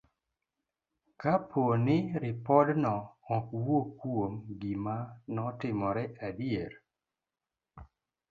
Kapo ni ripodno ok wuo kuom gima notimore adier,